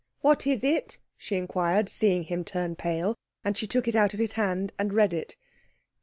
"What is it?" she inquired, seeing him turn pale; and she took it out of his hand and read it.